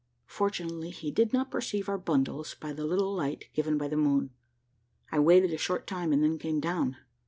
Fortunately he did not perceive our bundles by the little light given by the moon. I waited a short time and then came down.